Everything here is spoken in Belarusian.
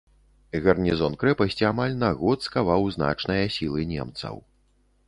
Гарнізон крэпасці амаль на год скаваў значныя сілы немцаў.